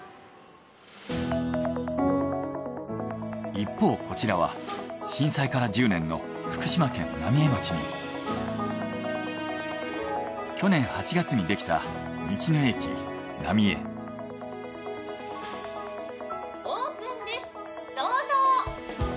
一方こちらは震災から１０年の福島県浪江町に去年８月にできたオープンですどうぞ。